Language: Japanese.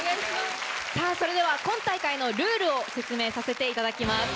それでは今大会のルールを説明させていただきます。